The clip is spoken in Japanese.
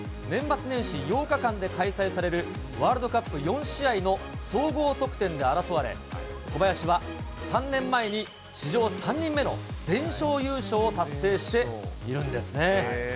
年末年始８日間で開催されるワールドカップ４試合の総合得点で争われ、小林は３年前に史上３人目の全勝優勝を達成しているんですね。